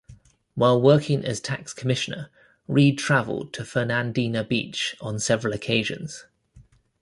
While working as Tax Commissioner, Reed traveled to Fernandina Beach on several occasions.